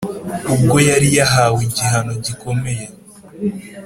ubwo yari yahawe igihano gikomeye